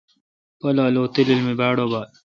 پالا لو تلیل می باڑ ابال؟